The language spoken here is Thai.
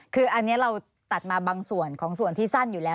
เขาก็เลยว่าแม่เขาบอกว่าให้เอาหอยโรตเตอรี่ให้พี่น้อยเอาไปขึ้นแล้ว